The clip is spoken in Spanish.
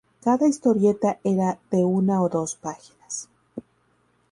Cada historieta era de una o dos páginas.